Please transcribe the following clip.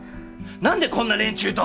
なんでこんな連中と！